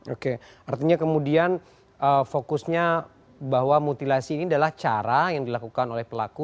oke artinya kemudian fokusnya bahwa mutilasi ini adalah cara yang dilakukan oleh pelaku